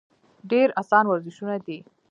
ډېر اسان ورزشونه دي -